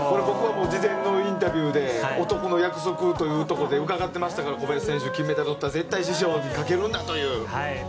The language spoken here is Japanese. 僕は事前のインタビューで男の約束ということで伺っていましたが金メダルを取ったら絶対師匠にかけるんだという。